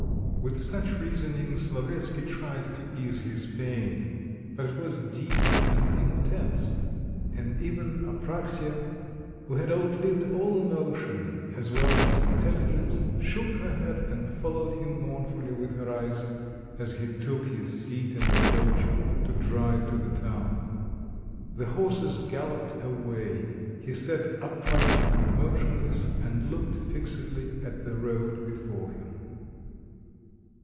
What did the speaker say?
With such reasonings Lavretsky tried to ease his pain; but it was deep and intense; and even Apraxya who had outlived all emotion as well as intelligence shook her head and followed him mournfully with her eyes, as he took his seat in the coach to drive to the town. The horses galloped away; he sat upright and motionless, and looked fixedly at the road before him.